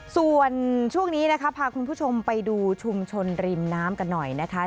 ส่วนช่วงนี้นะคะพาคุณผู้ชมไปดูชุมชนริมน้ำกันหน่อยนะคะ